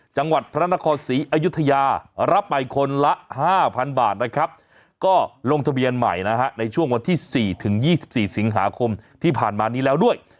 จังหวัดพระนครศรีอยุธยารับไปคนละ๕๐๐๐บาทนะครับก็ลงทะเบียนใหม่นะฮะในช่วงวันที่๔ถึง๒๔สิงหาคมที่ผ่านมานี้แล้วด้วย